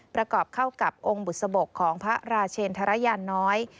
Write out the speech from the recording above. ประกอบเข้ากับองค์บุษบกของพระราชเชนธรยานน้อย